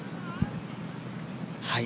はい。